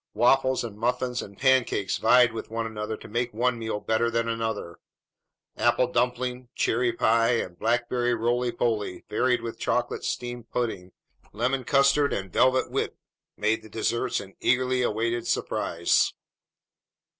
Waffles and muffins and pancakes vied with one another to make one meal better than another; apple dumpling, cherry pie, and blackberry roly poly varied with chocolate steamed pudding, lemon custard, and velvet whip made the desserts an eagerly awaited surprise.